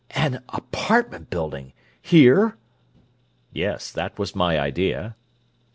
"An apartment building! Here?" "Yes; that was my idea."